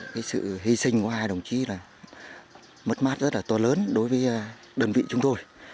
cái sự hy sinh của hai đồng chí là mất mát rất là to lớn đối với đơn vị chúng tôi